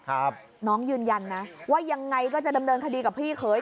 ครับน้องยืนยันนะว่ายังไงก็จะดำเนินคดีกับพี่เขย